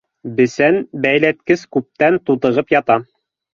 Бесән бәйләткәс күптән тутығып ята.